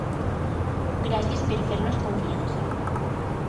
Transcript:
Gràcies per fer-nos confiança.